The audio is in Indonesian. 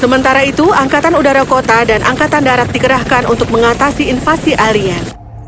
sementara itu angkatan udara kota dan angkatan darat dikerahkan untuk mengatasi invasi alien